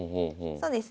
そうですね。